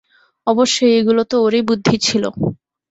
অবশ্যই, এগুলো তো ওরই বুদ্ধি ছিল।